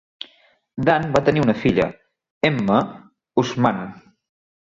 Dan va tenir una filla, Emma Osman.